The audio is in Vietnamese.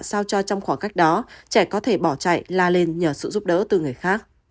sao cho trong khoảng cách đó trẻ có thể bỏ chạy la lên nhờ sự giúp đỡ từ người khác